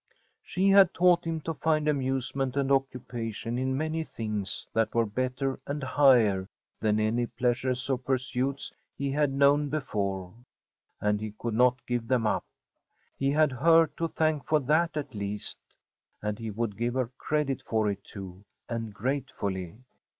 She had taught him to find amusement and occupation in many things that were better and higher than any pleasures or pursuits he had known before, and he could not give them up. He had her to thank for that at least. And he would give her credit for it too, and gratefully.